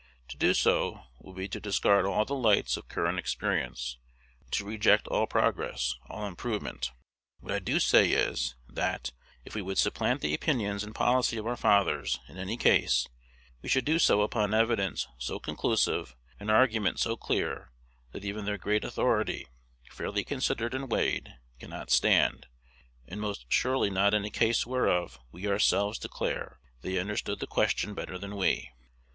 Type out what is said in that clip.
To do so would be to discard all the lights of current experience, to reject all progress, all improvement. What I do say is, that, if we would supplant the opinions and policy of our fathers in any case, we should do so upon evidence so conclusive, and argument so clear, that even their great authority, fairly considered and weighed, cannot stand; and most surely not in a case whereof we ourselves declare they understood the question better than we.